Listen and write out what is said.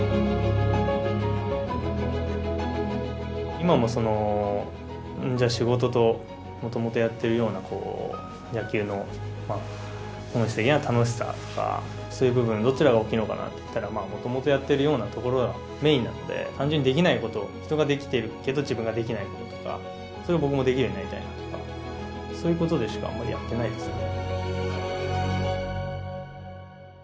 今も仕事ともともとやってるような野球の本質的な楽しさとかそういう部分どちらが大きいのかなっていったらもともとやってるようなところがメインなので単純にできないこと人ができているけど自分ができないこととかそれ僕もできるようになりたいなとかそういうことでしかあまりやってないですね。